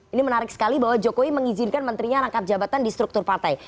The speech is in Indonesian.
ini menarik sekali bahwa jokowi mengizinkan menterinya rangkap jabatan di struktur partai